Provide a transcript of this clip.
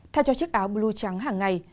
theo cho chiếc áo blue trắng hàng ngày